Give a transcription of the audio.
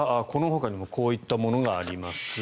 このほかにもこういったものがあります。